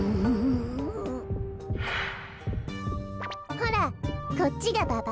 ほらこっちがババ？